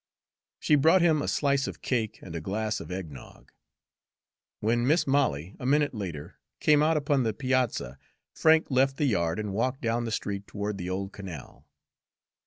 She brought him a slice of cake and a glass of eggnog. When Mis' Molly, a minute later, came out upon the piazza, Frank left the yard and walked down the street toward the old canal.